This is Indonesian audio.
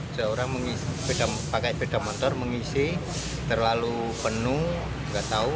seorang mengisi pakai beda motor mengisi terlalu penuh gak tahu